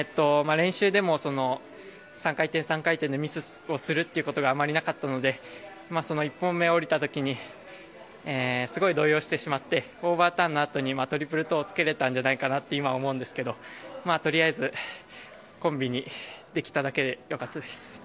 練習でも３回転、３回転でミスをすることがあまりなかったのでその１本目を降りた時にすごい動揺してしまってオーバーターンのあとにトリプルトウをつけられたと今、思うんですがとりあえずコンビにできただけで良かったです。